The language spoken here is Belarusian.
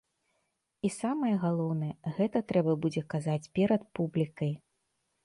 І самае галоўнае, гэта трэба будзе казаць перад публікай.